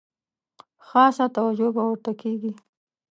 خاصه توجه به ورته کیږي.